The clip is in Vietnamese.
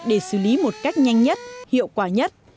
để xử lý một cách nhanh nhất hiệu quả nhất